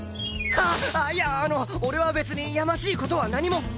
あっいやあの俺は別にやましい事は何も！